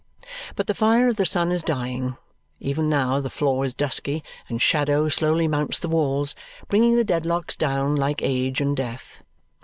But the fire of the sun is dying. Even now the floor is dusky, and shadow slowly mounts the walls, bringing the Dedlocks down like age and death.